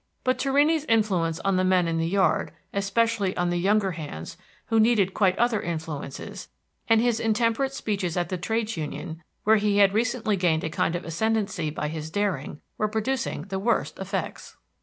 But Torrini's influence on the men in the yard, especially on the younger hands, who needed quite other influences, and his intemperate speeches at the trades union, where he had recently gained a kind of ascendancy by his daring, were producing the worst effects.